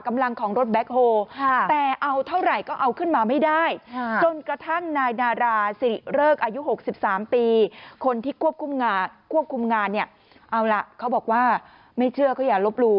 อายุ๖๓ปีคนที่ควบคุมงานเนี่ยเอาล่ะเขาบอกว่าไม่เชื่อเขาอย่ารบหลู่